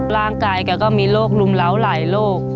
ร่างกายเค้าก็มีโรครุมเหลาหลายโรค